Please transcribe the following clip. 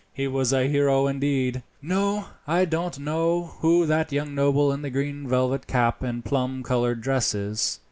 He was a hero indeed. "No; I don't know who that young noble in the green velvet cap and plum coloured dress is.